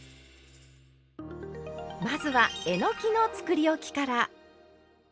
まずはえのきのつくりおきから。